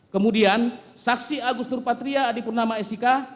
kemudian saksi agus nurpatria adipurnama sik